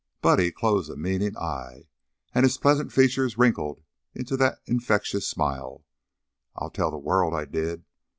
Buddy closed a meaning eye, and his pleasant features wrinkled into that infectious smile. "I'll tell the world I did!